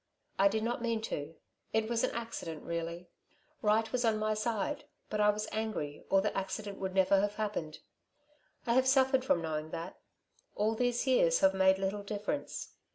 I did not mean to. It was an accident, really. Right was on my side, but I was angry, or the accident would never have happened. I have suffered from knowing that. All these years have made little difference.